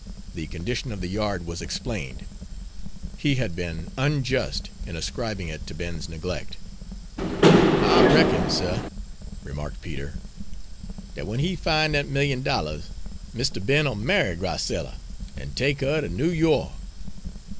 The condition of the yard was explained; he had been unjust in ascribing it to Ben's neglect. "I reckon, suh," remarked Peter, "dat w'en he fin' dat million dollahs, Mistah Ben'll marry Miss Grac'ella an' take huh ter New Yo'k."